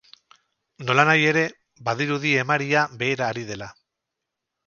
Nolanahi ere, badirudi emaria behera ari dela.